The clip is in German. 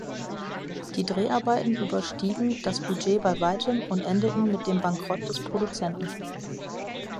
Die Dreharbeiten überstiegen das Budget bei Weitem und endeten mit dem Bankrott des Produzenten.